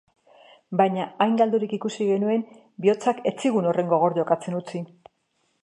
Baina hain galdurik ikusi genuen, bihotzak ez zigun horren gogor jokatzen utzi.